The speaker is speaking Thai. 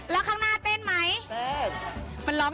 แล้วข้างหน้าเต้นไหม